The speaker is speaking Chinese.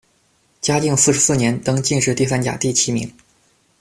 嘉靖四十四年，登进士第三甲第七名。